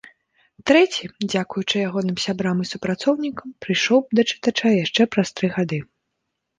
Трэці, дзякуючы ягоным сябрам і супрацоўнікам, прыйшоў да чытача яшчэ праз тры гады.